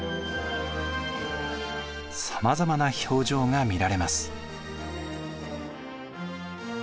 さまざまな表情が見られます。